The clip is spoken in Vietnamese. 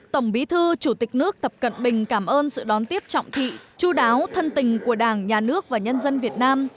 tổng bí thư chủ tịch nước tập cận bình cảm ơn sự đón tiếp trọng thị chú đáo thân tình của đảng nhà nước và nhân dân việt nam